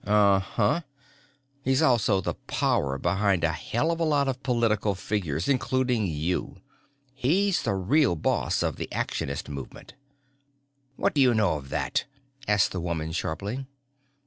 "Uh huh. He's also the power behind a hell of a lot of political figures, including you. He's the real boss of the Actionist movement." "What do you know of that?" asked the woman sharply.